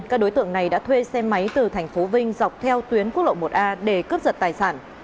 các đối tượng này đã thuê xe máy từ thành phố vinh dọc theo tuyến quốc lộ một a để cướp giật tài sản